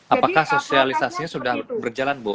apakah sosialisasinya sudah berjalan bu